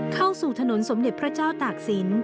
เข้าสู่ถนนสมเด็จพระเจ้าตากศิลป